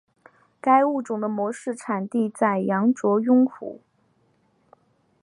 该物种的模式产地在羊卓雍湖。